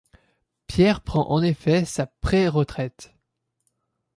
Pierre prend en effet sa préretraite.